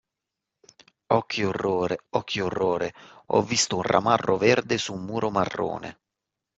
Oh che orrore oh che orrore, ho visto un ramarro verde su un muro marrone.